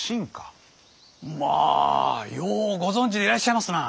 まぁようご存じでいらっしゃいますな！